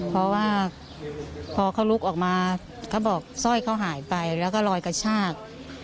เพราะว่าพอเขาลุกออกมาเขาบอกสร้อยเขาหายไปแล้วก็ลอยกระชาก